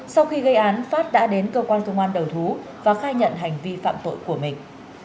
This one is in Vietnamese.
sau khi gây án phát đã đến cơ quan công an đầu thú và khai nhận hành vi phạm tội của mình